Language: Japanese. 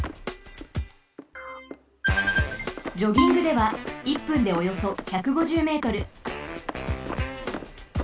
ジョギングでは１分でおよそ１５０ｍ。